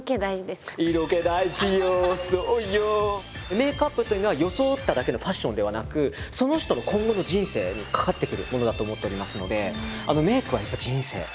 メイクアップというのは装っただけのファッションではなくその人の今後の人生にかかってくるものだと思っておりますので。